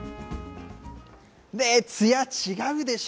ね、つや違うでしょ